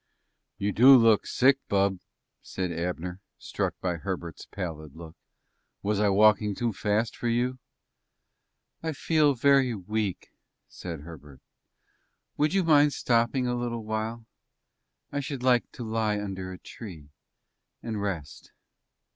"You do look sick, bub," said Abner, struck by Herbert's pallid look. "Was I walking too fast for you?" "I feel very weak," said Herbert. "Would you mind stopping a little while? I should like to lie under a tree and rest."